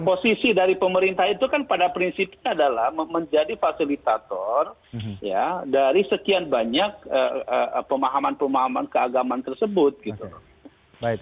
posisi dari pemerintah itu kan pada prinsipnya adalah menjadi fasilitator ya dari sekian banyak pemahaman pemahaman keagamaan tersebut gitu loh